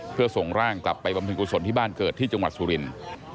เพื่อส่งร่างกลับไปบำเพ็กกุศลที่บ้านเกิดที่จังหวัดสุรินทร์